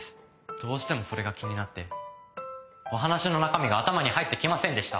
どうしてもそれが気になってお話の中身が頭に入ってきませんでした。